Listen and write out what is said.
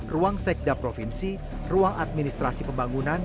ruang sekda provinsi ruang administrasi pembangunan